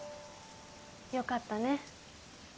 よかったね。